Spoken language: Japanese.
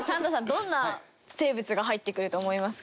どんな生物が入ってくると思いますか？